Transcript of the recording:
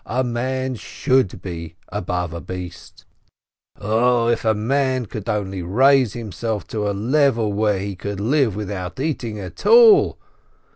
A man should be above a beast ! "0, if a man could only raise himself to a level where he could live without eating at all